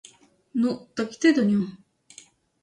Ну, так іди до нього.